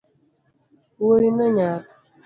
Wuoino nyap